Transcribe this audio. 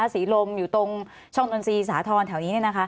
ศรีลมอยู่ตรงช่องดนตรีสาธรณ์แถวนี้